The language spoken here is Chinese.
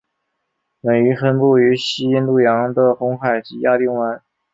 本鱼分布于西印度洋的红海及亚丁湾。